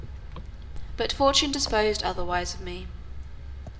But fortune disposed otherwise of me.